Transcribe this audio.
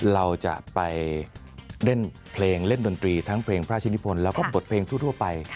เราจะไปเล่นเพลงเล่นดนตรีทั้งเพลงพระราชนิพลแล้วก็บทเพลงทั่วไป